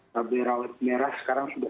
pak berawet merah sekarang sudah sembilan belas